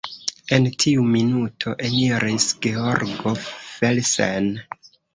En tiu minuto eniris Georgo Felsen.